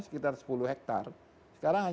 sekitar sepuluh hektar sekarang